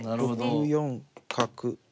６四角。